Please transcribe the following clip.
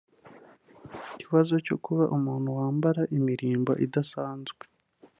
Ku kibazo cyo kuba umuntu wambara imirimbo idasanzwe